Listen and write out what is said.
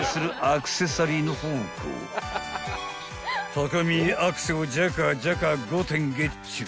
アクセをジャカジャカ５点ゲッチュ］